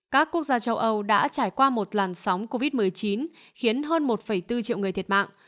các quốc gia châu âu đã trải qua một làn sóng covid một mươi chín khiến hơn một bốn triệu người thiệt mạng